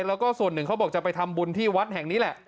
แล้วก็ส่วนหนึ่งเขาบอกจะไปทำบุญที่วัดแห่งนี้แหละ